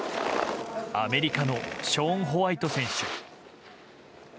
アメリカのショーン・ホワイト選手。